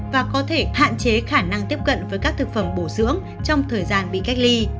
và có thể hạn chế khả năng tiếp cận với các thực phẩm bổ dưỡng trong thời gian bị cách ly